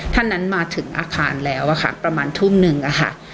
ท่านนั้นมาถึงอาคารแล้วอะค่ะประมาณทุ่มหนึ่งอะค่ะ